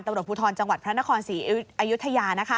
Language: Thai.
ตำรวจภูทรจังหวัดพระนครศรีอยุธยา